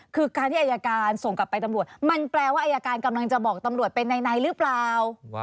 คือการที่อายการส่งกลับไปตำรวจมันแปลว่าอายการกำลังจะบอกตำรวจเป็นในหรือเปล่า